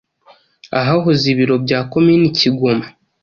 ahahoze ibiro bya Komini Kigoma.